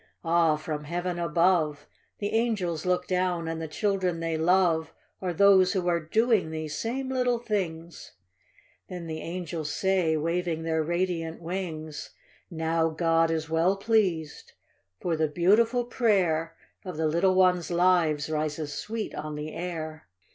Ah, from heaven above, The angels look down, and the children they love Are those who are doing these same little things ; Then the angels say, waving their radiant wings, "Now God is well pleased, for the beautiful prayer Of the little ones' lives rises sweet on the air.